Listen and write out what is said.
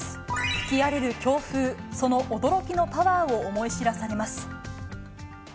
吹き荒れる強風、その驚きのパワーを思い知らされます。